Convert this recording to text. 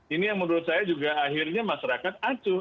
ini yang menurut saya juga akhirnya masyarakat acuh